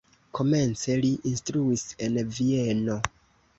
Komence li instruis en Vieno.